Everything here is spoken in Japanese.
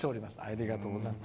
ありがとうございます。